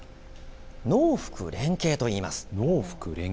農福連携といいます。